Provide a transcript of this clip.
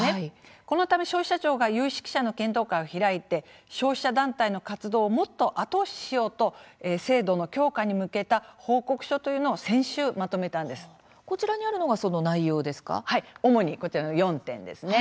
このため消費者庁が有識者の検討会を開いて消費者団体の活動をもっと後押ししようと制度の強化に向けた報告書というのをこちらにあるのが主に４点ですね。